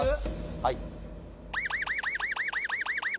はい